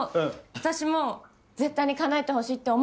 私も絶対にかなえてほしいって思う。